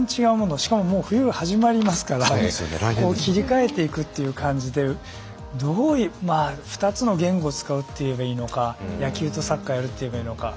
しかも、冬が始まりますから切り替えていくという感じで２つの言語を使うといえばいいのか野球とサッカーやると言えばいいのか。